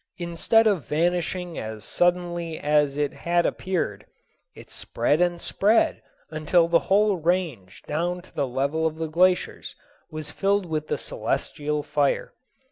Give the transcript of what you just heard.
Instead of vanishing as suddenly as it had appeared, it spread and spread until the whole range down to the level of the glaciers was filled with the celestial fire.